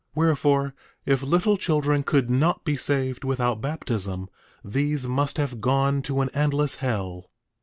8:13 Wherefore, if little children could not be saved without baptism, these must have gone to an endless hell.